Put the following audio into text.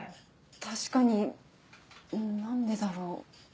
確かに何でだろう。